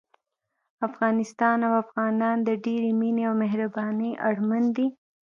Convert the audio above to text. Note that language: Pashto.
افغانستان او افغانان د ډېرې مينې او مهربانۍ اړمن دي